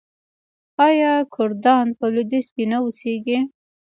آیا کردان په لویدیځ کې نه اوسیږي؟